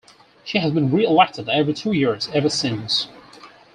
She has been re-elected every two years ever since.